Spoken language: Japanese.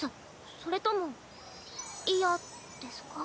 それとも嫌ですか？